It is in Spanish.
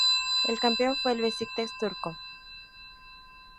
El campeón fue el Beşiktaş turco.